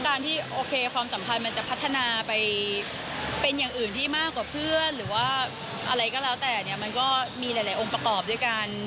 การที่โอเคความสัมพันธ์มันจะพัฒนาไปเป็นอย่างอื่นที่มากกว่าเพื่อนหรือว่าอะไรก็แล้วแต่เนี่ยมันก็มีหลายองค์ประกอบด้วยกัน